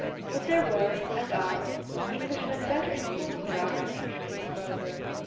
But there were, and are, Englishmen better informed about our country.